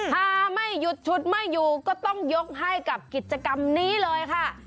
ถ้าไม่หยุดชุดไม่อยู่ก็ต้องยกให้กับกิจกรรมนี้เลยค่ะ